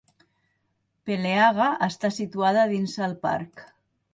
Peleaga està situada dins el parc.